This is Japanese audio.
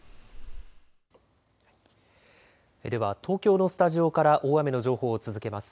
では東京のスタジオから大雨の情報を続けます。